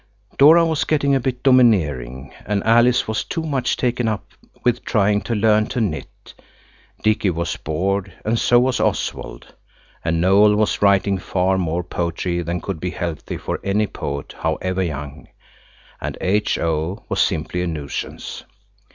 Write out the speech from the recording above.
Dora was getting a bit domineering, and Alice was too much taken up with trying to learn to knit. Dicky was bored and so was Oswald, and Noël was writing far more poetry than could be healthy for any poet, however young, and H.O. was simply a nuisance.